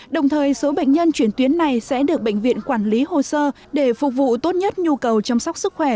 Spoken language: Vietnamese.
đồng thời số bệnh nhân chuyển tuyến này sẽ được bệnh viện quản lý hồ sơ để phục vụ tốt nhất nhu cầu chăm sóc sức khỏe